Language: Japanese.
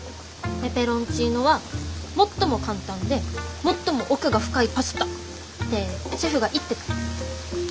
ペペロンチーノは「最も簡単で最も奥が深いパスタ」ってシェフが言ってた。